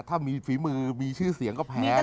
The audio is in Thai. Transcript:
ถ้ามีฝีมือมีชื่อเสียงก็แพ้